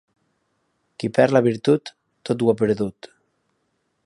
Qui perd la virtut, tot ho ha perdut.